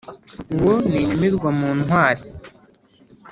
uwo ni inyamibwa mu ntwari